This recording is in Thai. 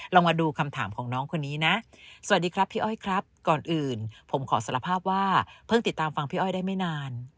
ลองมาดูคำถามของน้องคนนี้นะ